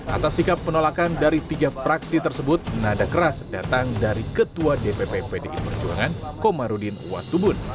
atas sikap penolakan dari tiga fraksi tersebut nada keras datang dari ketua dpp pdi perjuangan komarudin watubun